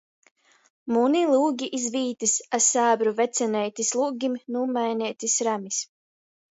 Muni lūgi iz vītys, a sābru vecineitis lūgim nūmaineitys ramys.